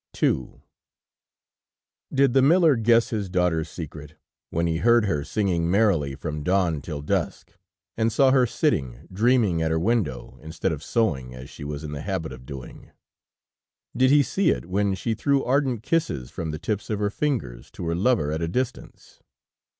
II Did the miller guess his daughter's secret, when he heard her singing merrily from dawn till dusk, and saw her sitting dreaming at her window instead of sewing as she was in the habit of doing? Did he see it when she threw ardent kisses from the tips of her fingers to her lover at a distance?